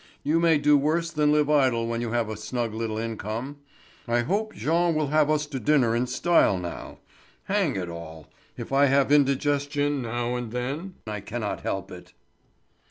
"You may do worse than live idle when you have a snug little income. I hope Jean will have us to dinner in style now. Hang it all! If I have indigestion now and then I cannot help it."